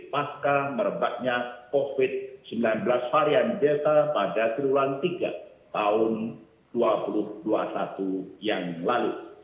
pasca merebaknya covid sembilan belas varian delta pada triwulan tiga tahun dua ribu dua puluh satu yang lalu